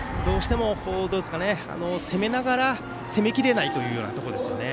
どうしても攻めながら攻めきれないというところですね。